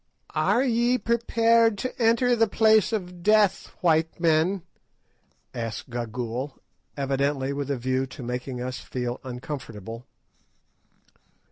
"Are ye prepared to enter the Place of Death, white men?" asked Gagool, evidently with a view to making us feel uncomfortable.